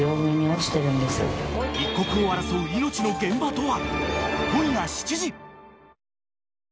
一刻を争う命の現場とは。